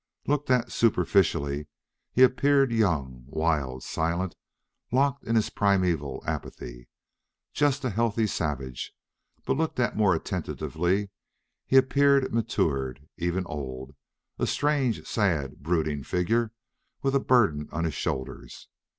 Looked at superficially, he appeared young, wild, silent, locked in his primeval apathy, just a healthy savage; but looked at more attentively, he appeared matured, even old, a strange, sad, brooding figure, with a burden on his shoulders.